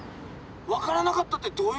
わからなかったってどういうこと？